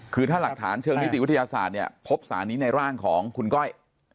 คือถ้าหลักฐานเชิงนิติวิทยาศาสตร์เนี่ยพบสารนี้ในร่างของคุณก้อย